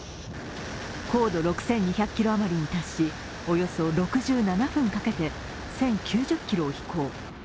高度６２００ｋｍ余りに達し、およそ６７分かけて１０９０ｋｍを飛行。